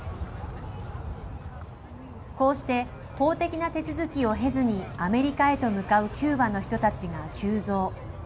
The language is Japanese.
こうして法的な手続きを経ずに、アメリカへと向かうキューバの人たちが急増。